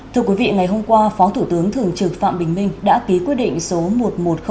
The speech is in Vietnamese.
thưa quý vị ngày hôm qua phó thủ tướng thường trực phạm bình minh đã ký quyết định số một nghìn một trăm linh bốn